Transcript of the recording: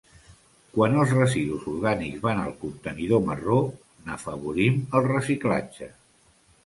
Quan els residus orgànics van al contenidor marró, n'afavorim el reciclatge.